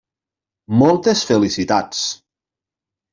Moltes felicitats!